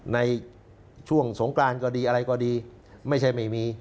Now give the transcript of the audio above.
ในช่วงสงกรานก็ดีอะไรก็ดีไม่ใช่ไม่มี